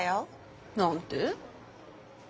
何て？